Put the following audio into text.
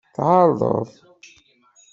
Tɛerḍeḍ.